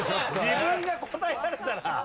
自分が答えられたら。